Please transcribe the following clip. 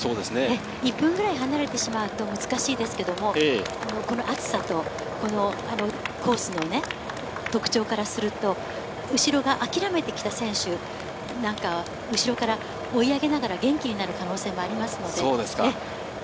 １分ぐらい離れてしまうと難しいですけど、この暑さと、このコースの特徴からすると、後ろが諦めてきた選手なんかは、後ろから追い上げながら元気になる可能性もありますので。